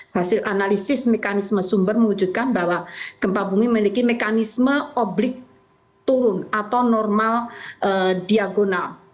hasil analisis mekanisme sumber mewujudkan bahwa gempa bumi memiliki mekanisme oblik turun atau normal diagonal